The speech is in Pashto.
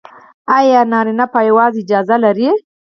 ایا نارینه پایواز اجازه لري؟